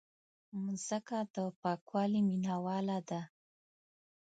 مځکه د پاکوالي مینواله ده.